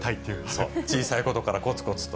そう、小さいことからこつこつと。